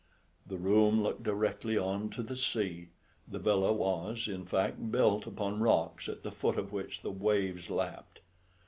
The room looked directly on to the sea: the villa was, in fact, built upon rocks at the foot of which the waves lapped.